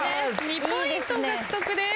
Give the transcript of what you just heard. ２ポイント獲得です。